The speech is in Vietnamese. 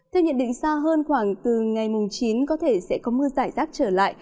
theo nhận định xa hơn khoảng từ ngày chín có thể sẽ có mưa rải rác trở lại